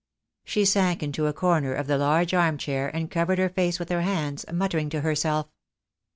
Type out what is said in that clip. She sank into a corner of the large armchair and covered her face with her hands, muttering to herself.